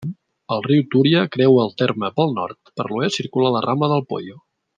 El riu Túria creua el terme pel nord; per l'oest circula la rambla del Poyo.